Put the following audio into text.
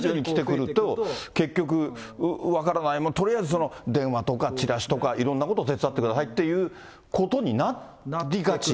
結局、分からない、とりあえず電話とかチラシとか、いろんなこと手伝ってくださいということになりがち？